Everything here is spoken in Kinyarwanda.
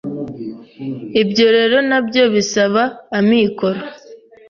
Ibyo rero nabyo bisaba amikoro